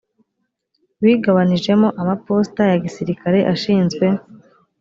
bigabanijemo amaposita ya gisirikare ashinzwe